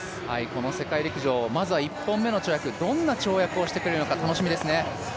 この世界陸上、まずは１本目の跳躍、どんな跳躍をしてくれるのか楽しみですね。